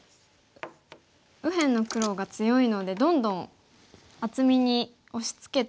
右辺の黒が強いのでどんどん厚みに押しつけても大丈夫ですね。